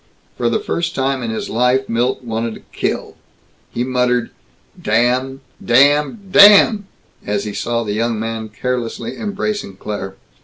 For the first time in his life Milt wanted to kill. He muttered, "Damn damn DAMN!" as he saw the young man carelessly embracing Claire.